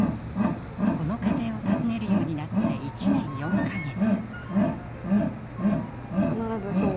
この家庭を訪ねるようになって１年４か月。